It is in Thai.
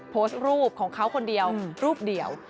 โพสต์รูปของเขาคนเดียวรูปเดียว